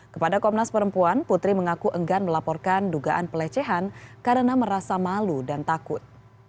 kepada komnas perempuan putri mengaku enggan melaporkan dugaan pelecehan karena merasa malu dan takut